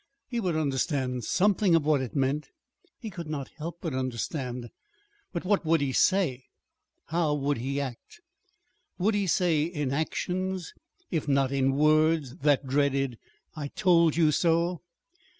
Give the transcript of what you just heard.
He would understand something of what it meant. He could not help but understand. But what would he say? How would he act? Would he say in actions, if not in words, that dreaded "I told you so"?